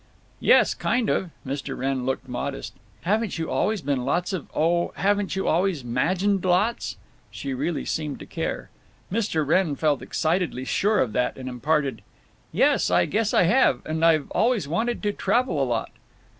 "Yes, kind of." Mr. Wrenn looked modest. "Haven't you always been lots of—oh, haven't you always 'magined lots?" She really seemed to care. Mr. Wrenn felt excitedly sure of that, and imparted: "Yes, I guess I have…. And I've always wanted to travel a lot."